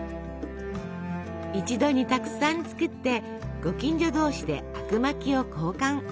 一度にたくさん作ってご近所同士であくまきを交換。